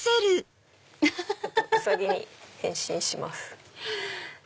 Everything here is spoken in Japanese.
ウサギに変身します。